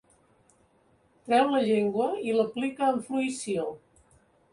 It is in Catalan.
Treu la llengua i l'aplica amb fruïció.